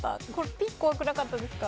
ピッ、怖くなかったですか？